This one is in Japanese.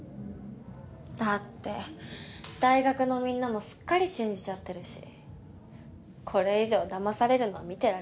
だって大学のみんなもすっかり信じちゃってるしこれ以上だまされるのは見てられないっていうか